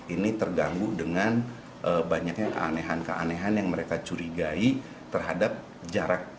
ini terganggu dengan banyaknya keanehan keanehan yang mereka curigai terhadap jarak